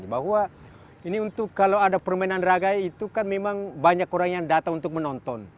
bahwa ini untuk kalau ada permainan ragai itu kan memang banyak orang yang datang untuk menonton